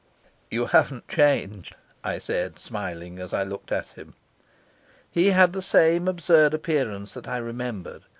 "You haven't changed," I said, smiling, as I looked at him. He had the same absurd appearance that I remembered.